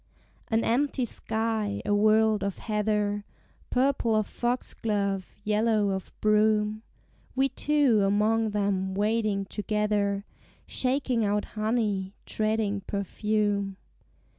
An empty sky, a world of heather, Purple of foxglove, yellow of broom: We two among them wading together, Shaking out honey, treading perfume.